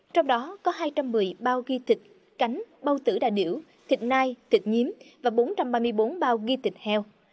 trong đó có hai trăm một mươi bao ghi thịt cánh bao tử đà điểu thịt nai thịt nhiếm và bốn trăm ba mươi bốn bao ghi thịt heo